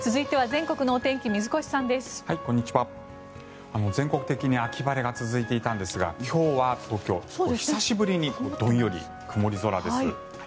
全国的に秋晴れが続いていたんですが今日は東京久しぶりにどんより曇り空です。